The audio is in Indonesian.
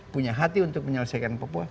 punya hati untuk menyelesaikan papua